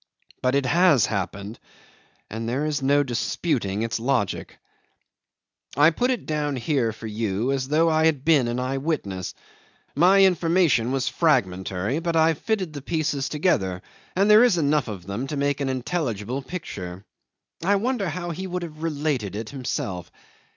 But it has happened and there is no disputing its logic. 'I put it down here for you as though I had been an eyewitness. My information was fragmentary, but I've fitted the pieces together, and there is enough of them to make an intelligible picture. I wonder how he would have related it himself.